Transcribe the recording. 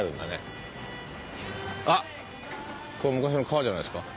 あっこれ昔の川じゃないですか？